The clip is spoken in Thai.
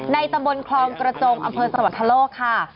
ตำบลคลองกระจงอำเภอสวรรคโลกค่ะ